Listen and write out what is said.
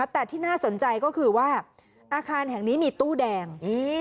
แต่ที่น่าสนใจก็คือว่าอาคารแห่งนี้มีตู้แดง